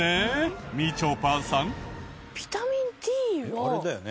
あれだよね？